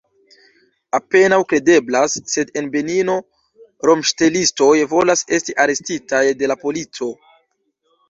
Apenaŭ kredeblas, sed en Benino rompŝtelistoj volas esti arestitaj de la polico.